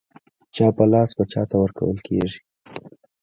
چا په لاس و چاته ورکول کېږي.